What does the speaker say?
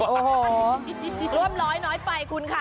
โอ้โหร่วมร้อยน้อยน้อยไปคุณค่ะ